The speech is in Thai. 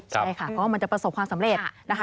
ใช่ค่ะเพราะว่ามันจะประสบความสำเร็จนะคะ